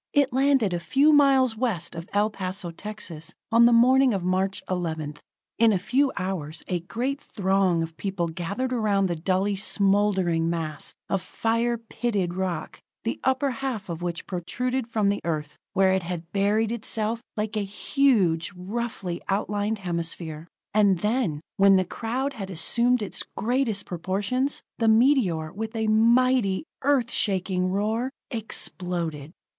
It landed a few miles west of El Paso, Texas, on the morning of March 11th. In a few hours a great throng of people gathered around the dully smoldering mass of fire pitted rock, the upper half of which protruded from the Earth where it had buried itself, like a huge, roughly outlined hemisphere. And then, when the crowd had assumed its greatest proportions, the meteor, with a mighty, Earth shaking roar, exploded.